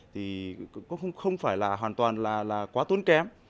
thì cũng không phải là hoàn toàn là quá tốn kém